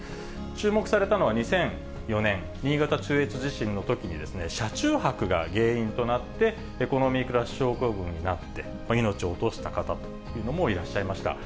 注目されたのは２００４年、新潟中越地震のときに、車中泊が原因となって、エコノミークラス症候群になって、命を落とした方というのもいらっしゃいました。